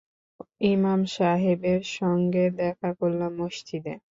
ইমাম সাহেবের সঙ্গে দেখা করলাম মসজিদে।